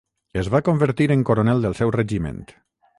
Es va convertir en coronel del seu regiment.